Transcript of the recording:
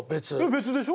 別でしょ？